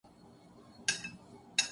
چین والے سرے سے خدا کو مانتے ہی نہیں۔